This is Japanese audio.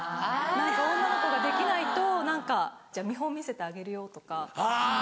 何か女の子ができないと「じゃあ見本見せてあげるよ」とか。